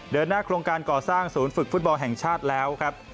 เดินหน้าโครงการก่อสร้างศูนย์ฝึกฟุตบอลแห่งชาติแล้วครับ